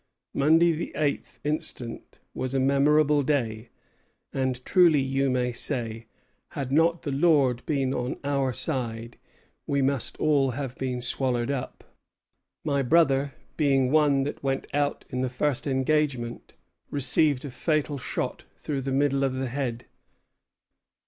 Monday the eighth instant was a memorable day; and truly you may say, had not the Lord been on our side, we must all have been swallowed up. My brother, being one that went out in the first engagement, received a fatal shot through the middle of the head."